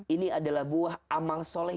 ini adalah buah amal soleh